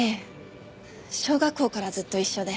小学校からずっと一緒で。